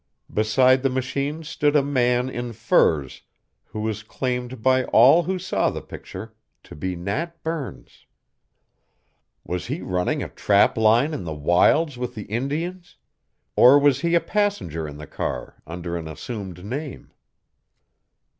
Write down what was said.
Beside the machine stood a man in furs who was claimed by all who saw the picture to be Nat Burns. Was he running a trap line in the wilds with the Indians, or was he a passenger in the car under an assumed name?